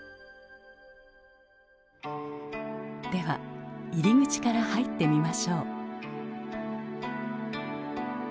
では入り口から入ってみましょう。